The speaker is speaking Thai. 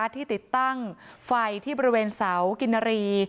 ที่ติดตั้งไฟที่บริเวณเสากินนารี